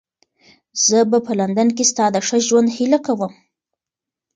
زه به په لندن کې ستا د ښه ژوند هیله کوم.